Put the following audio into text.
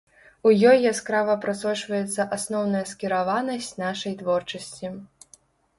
У ёй яскрава прасочваецца асноўная скіраванасць нашай творчасці.